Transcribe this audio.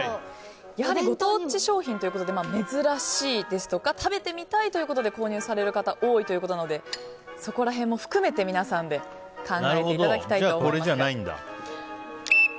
やはりご当地商品ということで珍しいですとか食べてみたいということで購入される方が多いということなのでそこら辺も含めて、皆さんでじゃあ、これじゃないんだ。